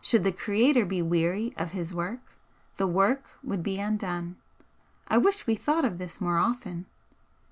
Should the Creator be weary of His work, the work would be undone. I wish we thought of this more often!"